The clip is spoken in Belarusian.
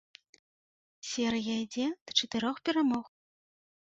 Серыя ідзе да чатырох перамог.